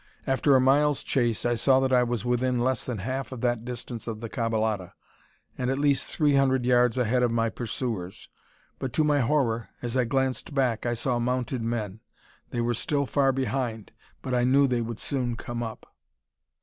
After a mile's chase, I saw that I was within less than half that distance of the caballada, and at least three hundred yards ahead of my pursuers; but to my horror, as I glanced back, I saw mounted men! They were still far behind, but I knew they would soon come up.